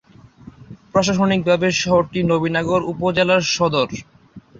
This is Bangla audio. প্রশাসনিকভাবে শহরটি নবীনগর উপজেলার সদর।